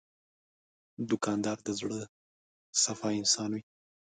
دوکاندار د زړه صفا انسان وي.